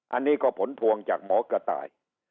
อันนี้ก็ผลพวงจากหมอกระต่าย